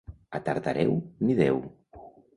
A Tartareu, ni Déu.